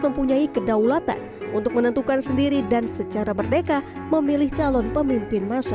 mempunyai kedaulatan untuk menentukan sendiri dan secara merdeka memilih calon pemimpin masa